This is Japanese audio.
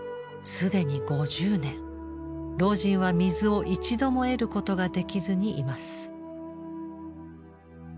既に５０年老人は水を一度も得ることができずにいます。